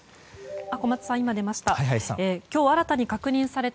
小松さん、今出ました。